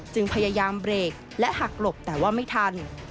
พยายามเบรกและหักหลบแต่ว่าไม่ทัน